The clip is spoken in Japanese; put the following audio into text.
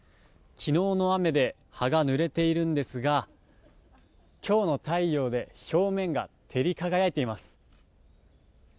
昨日の雨で葉がぬれているんですが今日の太陽で表面が照り輝いています。